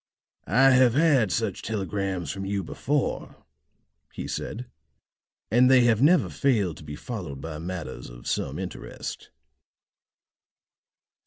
"I have had such telegrams from you before," he said, "and they have never failed to be followed by matters of some interest."